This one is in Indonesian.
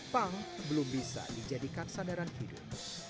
punk belum bisa dijadikan sadaran hidup